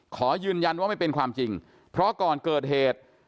ขอยืนยันว่าไม่เป็นความจริงเพราะก่อนเกิดเหตุ